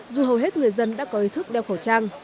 dù hầu hết người dân đã có ý thức đeo khẩu trang